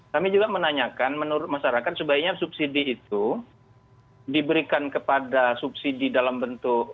kami juga menanyakan menurut masyarakat sebaiknya subsidi itu diberikan kepada subsidi dalam bentuk